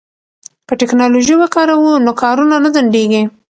که ټیکنالوژي وکاروو نو کارونه نه ځنډیږي.